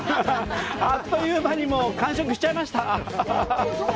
あっという間に完食しちゃいました。